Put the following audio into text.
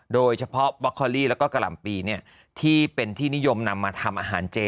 โดยเฉพาะบล็อกคอลี่แล้วก็กะหล่ำปีที่เป็นที่นิยมนำมาทำอาหารเจ